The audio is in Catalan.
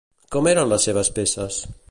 Com eren les seves peces?